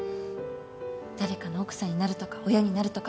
誰かの奥さんになるとか親になるとか